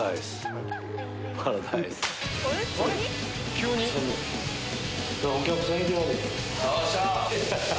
急に⁉おっしゃ！